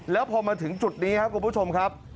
แล้วพอมาถึงจุดนี้ครับคุณผู้ชมครับ